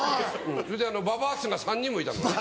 それでババースが３人もいたのね。